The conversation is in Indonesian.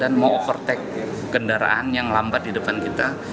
dan mau overtake kendaraan yang lambat di depan kita